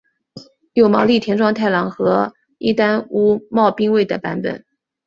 有毛利田庄太郎和伊丹屋茂兵卫的版本。